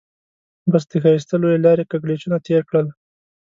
بس د ښایسته لويې لارې کږلېچونه تېر کړل.